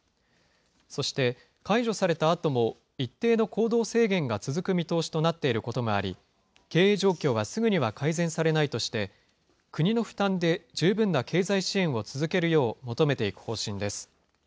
そして解除されたあとも、一定の行動制限が続く見通しとなっていることもあり、経営状況はすぐには改善されないとして、国の負担で十分な経済支援を続けるよう求めていく方針です。